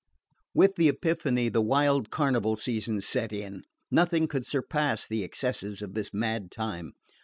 With the Epiphany the wild carnival season set in. Nothing could surpass the excesses of this mad time.